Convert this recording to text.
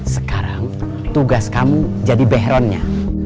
sekarang tugas kamu jadi bahronnya